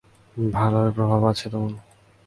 ভালোই প্রভাব আছে তোমার।